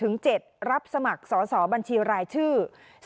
รับสมัครสอสอบัญชีรายชื่อ